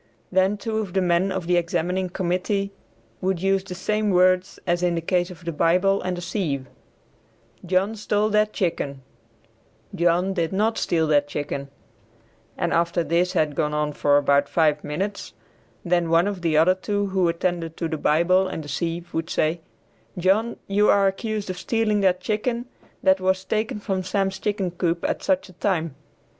Then two of the men of the examining committee would use the same words as in the case of the Bible and the sieve, "John stole that chicken," "John did not steal that chicken," and after this had gone on for about five minutes, then one of the other two who attended to the Bible and the sieve would say, "John, you are accused of stealing that chicken that was taken from Sam's chicken coop at such a time."